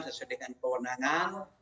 sesuai dengan kewenangan